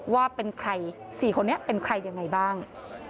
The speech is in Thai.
ว่าเป็นใคร๔คนนี้เป็นใครยังไงบ้าง